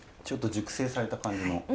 ちょっと熟成された感じの。